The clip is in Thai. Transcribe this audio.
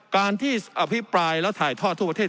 การที่อภิปรายแล้วถ่ายทอดทั่วประเทศ